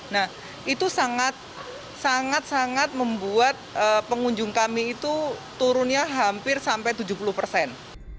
nah itu sangat sangat membuat pengunjung kami itu turunnya hampir sampai tujuh puluh persen